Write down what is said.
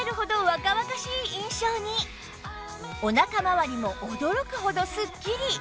おなかまわりも驚くほどすっきり！